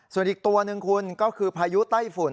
ส่วนอีกตัวหนึ่งคุณก็คือพายุไต้ฝุ่น